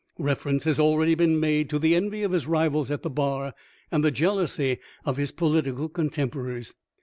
Reference has already been made to the envy of his rivals at the bar, and the jealousy of his political contemporaries.